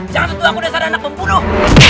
jangan untuk aku dasar anak pembunuh